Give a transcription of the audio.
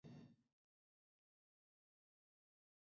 যে-সকল কাজ এদের দ্বারা হইবে বলে মনে করেছিলাম, তাহার কিছুই হইল না।